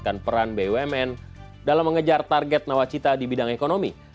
hopa kwyou melihat dukungan foreign to indonesia next time